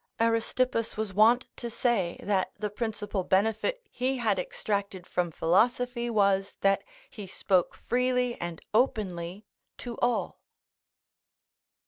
Aristippus was wont to say, that the principal benefit he had extracted from philosophy was that he spoke freely and openly to all.